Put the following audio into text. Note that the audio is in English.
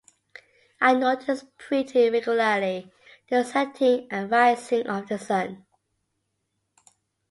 I noticed pretty regularly the setting and rising of the sun.